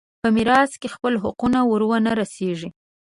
په میراث کې خپل حقونه ور ونه رسېږي.